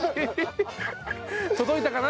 届いたかな？